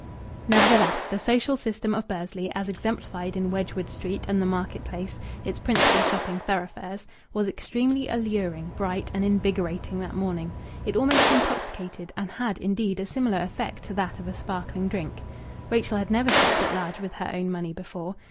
Nevertheless, the social system of Bursley, as exemplified in Wedgwood Street and the market place, its principal shopping thoroughfares, was extremely alluring, bright, and invigorating that morning. It almost intoxicated, and had, indeed, a similar effect to that of a sparkling drink. Rachel had never shopped at large with her own money before.